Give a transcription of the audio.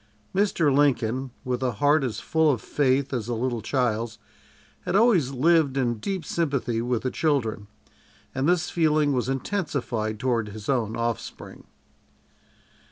Mr. Lincoln, with a heart as full of faith as a little child's, had always lived in deep sympathy with the children, and this feeling was intensified toward his own offspring.